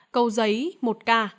cầu giấy một ca